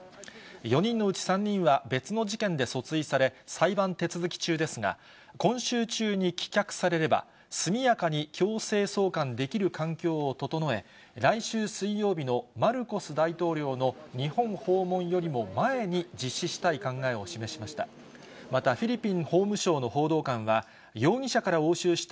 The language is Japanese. ４人のうち３人は別の事件で訴追され、裁判手続き中ですが、今週中に棄却されれば、速やかに強制送還できる環境を整え、来週水曜日のマルコス大統領の日本訪問よりも前に、実施したい考えを示しました。